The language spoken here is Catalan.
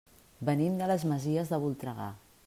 Venim de les Masies de Voltregà.